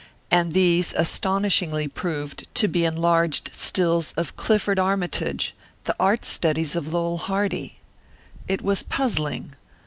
And these astonishingly proved to be enlarged stills of Clifford Armytage, the art studies of Lowell Hardy. It was puzzling.